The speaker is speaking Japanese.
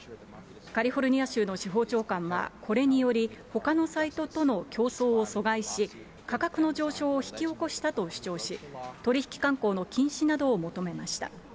カリフォルニア州の司法長官は、これにより、ほかのサイトとの競争を阻害し、価格の上昇を引き起こしたと主張し、取引慣行の禁止などを求めました。